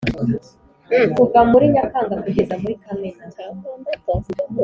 kuva muri nyakanga kugeza muri kamena